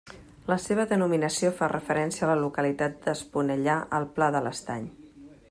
La seva denominació fa referència a la localitat d'Esponellà al Pla de l'Estany.